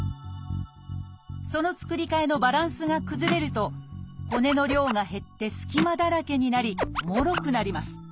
その作り替えのバランスが崩れると骨の量が減って隙間だらけになりもろくなります。